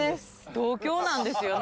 同郷なんですよね？